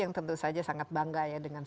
yang tentu saja sangat bangga ya dengan